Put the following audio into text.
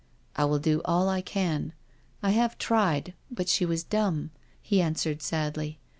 '*" I will do all I can— I have tried, but she was dumb," he answered sadly.